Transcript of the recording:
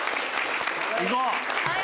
行こう！